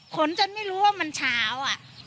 ขนจนไม่รู้ว่ามันเฉาอ่ะ